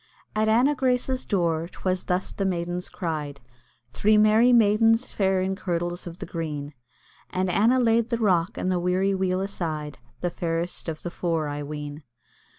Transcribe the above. At Anna Grace's door 'twas thus the maidens cried, Three merry maidens fair in kirtles of the green; And Anna laid the rock and the weary wheel aside, The fairest of the four, I ween.